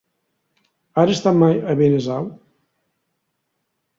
Has estat mai a Benasau?